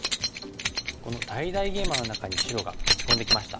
この大々ゲイマの中に白が打ち込んできました。